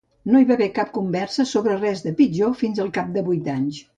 No hi va haver cap conversa sobre res de "pitjor" fins al cap de vuit anys.